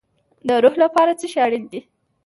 د روح لپاره څه شی اړین دی؟